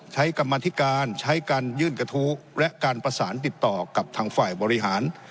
กรรมธิการใช้การยื่นกระทู้และการประสานติดต่อกับทางฝ่ายบริหาร